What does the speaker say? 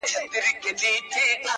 ستا وه ځوانۍ ته دي لوگى سمه زه~